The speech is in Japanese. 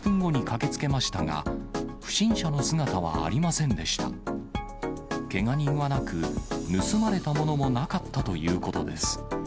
けが人はなく、盗まれたものもなかったということです。